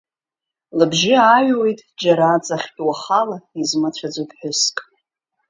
Лыбжьы ааҩуеит џьара аҵахьтә уахала измыцәаӡо ԥҳәыск.